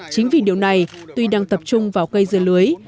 chính vì điều này tuy đang tập trung vào cây dưa lưới